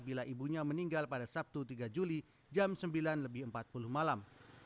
bila ibunya meninggal pada sabtu tiga juli jam sembilan lebih empat puluh malam